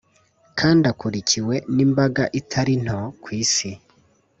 kandi akurikiwe n’imbaga itari nto ku Isi